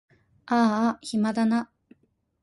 あーあ暇だな